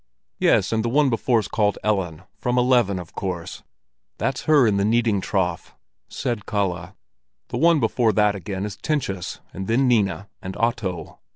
"Yes, and the one before's called Ellen—from eleven, of course. That's her in the kneading trough," said Kalle. "The one before that again is Tentius, and then Nina, and Otto.